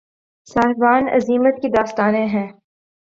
صاحبان عزیمت کی داستانیں ہیں